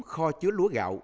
kho chứa lúa gạo